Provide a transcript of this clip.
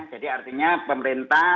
jadi artinya pemerintah